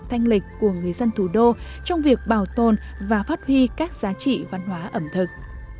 thanh lịch của người dân thủ đô trong việc bảo tồn và phát huy các giá trị văn hóa ẩm thực